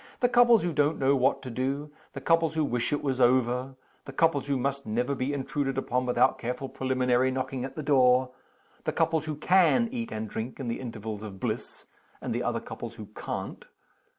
The couples who don't know what to do, the couples who wish it was over; the couples who must never be intruded upon without careful preliminary knocking at the door; the couples who can eat and drink in the intervals of "bliss," and the other couples who _can't.